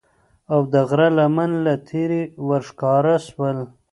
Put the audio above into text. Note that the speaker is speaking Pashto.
او د غره لمن له لیری ورښکاره سول